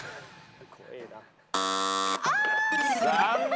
残念。